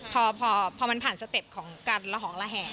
พอมันผ่านสเต็ปของการละหองระแหง